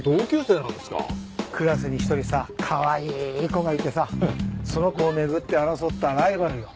クラスに一人さかわいい子がいてさその子を巡って争ったライバルよ。